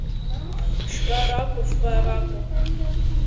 Ԥшьба ракәу, фба ракәу?